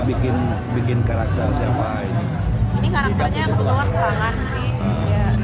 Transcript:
ini karakternya kebetulan kerangan sih